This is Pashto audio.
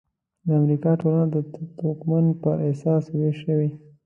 د امریکا ټولنه د توکم پر اساس وېش شوې.